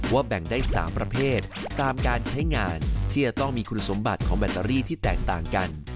แบ่งได้๓ประเภทตามการใช้งานที่จะต้องมีคุณสมบัติของแบตเตอรี่ที่แตกต่างกัน